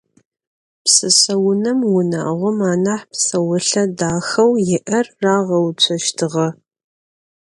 Пшъэшъэунэм унагъом анахь псэолъэ дахэу иӏэр рагъэуцощтыгъэ.